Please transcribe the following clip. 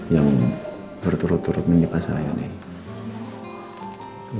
yang berturut turut menimpa saya ini